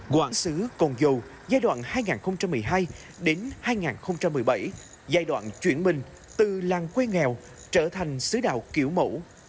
giáo sứ cồn dầu giai đoạn hai nghìn một mươi hai đến hai nghìn một mươi bảy giai đoạn chuyển mình từ làng quê nghèo trở thành sứ đạo kiểu mẫu